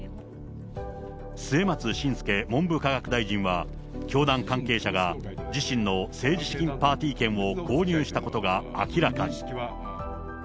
末松信介文部科学大臣は、教団関係者が自身の政治資金パーティー券を購入したことが明らかに。